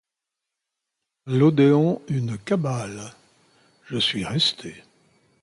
A l'Odéon, une cabale ; je suis restée.